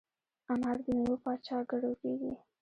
انار د میوو پاچا ګڼل کېږي.